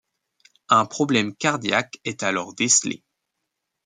Un problème cardiaque est alors décelé.